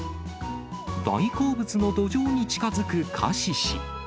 大好物のドジョウに近づくカシシ。